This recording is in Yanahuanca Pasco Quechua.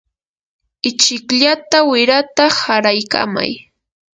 ichikllata wirata qaraykamay.